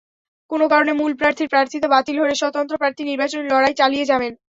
কোনো কারণে মূল প্রার্থীর প্রার্থিতা বাতিল হলে স্বতন্ত্র প্রার্থী নির্বাচনী লড়াই চালিয়ে যাবেন।